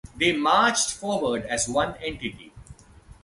They marched forward as one entity.